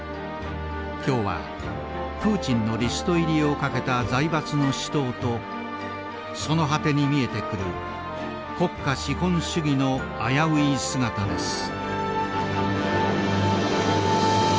今日はプーチンのリスト入りを懸けた財閥の死闘とその果てに見えてくる国家資本主義の危うい姿です。